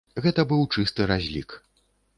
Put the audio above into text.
Гэта быў чысты разлік.